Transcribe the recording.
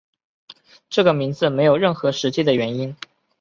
这个名字没有任何实际的原因。